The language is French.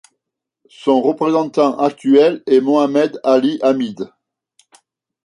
Son représentant actuel est Mohammed Ali Hamid.